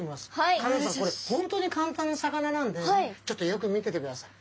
香音さんこれ本当に簡単な魚なんでちょっとよく見ててください。